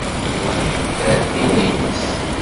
Ur lhint ara tira-nnes.